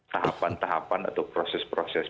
tahapan tahapan atau proses proses